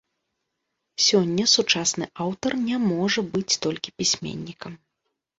Сёння сучасны аўтар не можа быць толькі пісьменнікам.